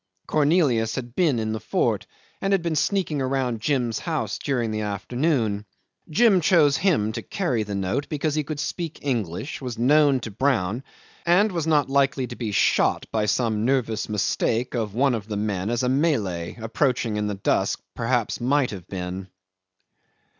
Cornelius had been in the fort, and had been sneaking around Jim's house during the afternoon. Jim chose him to carry the note because he could speak English, was known to Brown, and was not likely to be shot by some nervous mistake of one of the men as a Malay, approaching in the dusk, perhaps might have been.